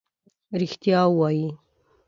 رښتیا وایې.